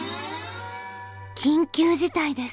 緊急事態です！